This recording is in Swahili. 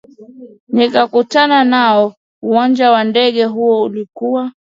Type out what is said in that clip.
nikakutana nao uwanja wa ndege huo ulikuwa